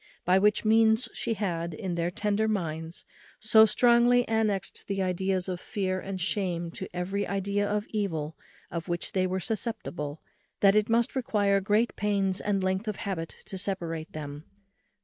By which means she had, in their tender minds, so strongly annexed the ideas of fear and shame to every idea of evil of which they were susceptible, that it must require great pains and length of habit to separate them.